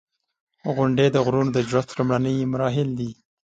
• غونډۍ د غرونو د جوړښت لومړني مراحل دي.